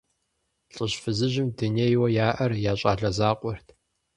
ЛӀыжь-фызыжьым дунейуэ яӀэр я щӀалэ закъуэрт.